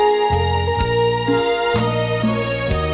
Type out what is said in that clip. ไปยักษ์นานอย่างเดียวไปยักษ์นานอย่างเดียว